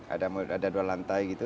ada dua lantai gitu